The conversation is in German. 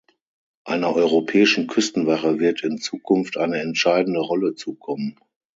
Einer europäischen Küstenwache wird in Zukunft eine entscheidende Rolle zukommen.